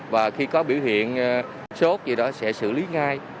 và khi có biểu hiện sốt gì đó sẽ xử lý ngay